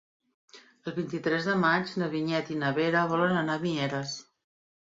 El vint-i-tres de maig na Vinyet i na Vera volen anar a Mieres.